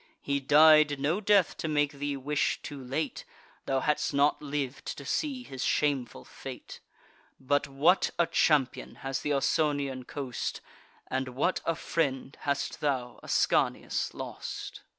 He died no death to make thee wish, too late, Thou hadst not liv'd to see his shameful fate: But what a champion has th' Ausonian coast, And what a friend hast thou, Ascanius, lost!"